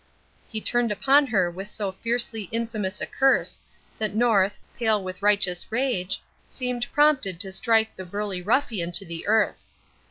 He turned upon her with so fiercely infamous a curse that North, pale with righteous rage, seemed prompted to strike the burly ruffian to the earth.